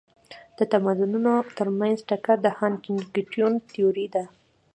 د تمدنونو ترمنځ ټکر د هانټینګټون تيوري ده.